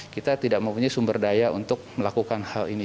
kita tidak mempunyai sumber daya untuk melakukan hal ini